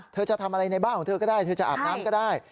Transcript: เธอจะทำอะไรในบ้านของเธอก็ได้เธอจะอาบน้ำก็ได้